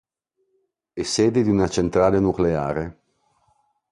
È sede di una centrale nucleare.